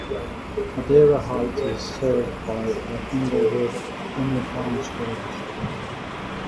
Ladera Heights is served by the Inglewood Unified School District.